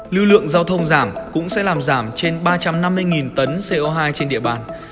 lưu lượng giao thông giảm cũng sẽ làm giảm trên ba trăm năm mươi tấn co hai trên địa bàn